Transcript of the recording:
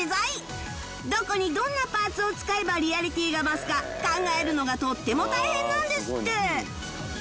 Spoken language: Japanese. どこにどんなパーツを使えばリアリティーが増すか考えるのがとっても大変なんですって